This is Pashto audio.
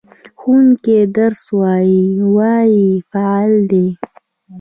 ښوونکی درس وايي – "وايي" فعل دی.